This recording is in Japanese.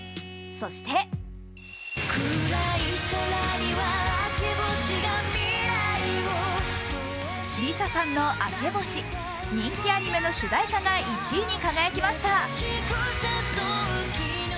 そしてＬｉＳＡさんの「明け星」人気アニメの主題歌が１位に輝きました。